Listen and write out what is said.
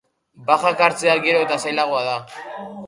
Bajak hartzea gero eta zailagoa da.